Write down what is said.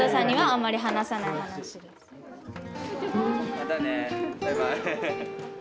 またね、バイバーイ！